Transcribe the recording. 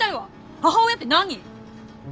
母親って何？